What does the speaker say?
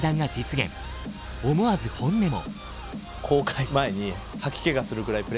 思わず本音も。